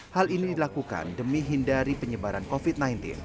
hal ini dilakukan demi hindari penyebaran covid sembilan belas